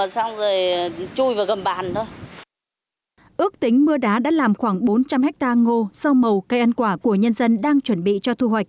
sau màu cây ăn quả của nhân dân đang chuẩn bị cho thu hoạch